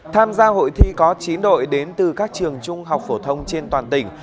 tham gia hội thi có chín đội đến từ các trường trung học phổ thông trên toàn tỉnh